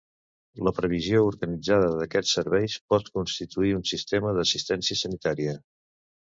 La provisió organitzada d'aquests serveis pot constituir un sistema d'assistència sanitària.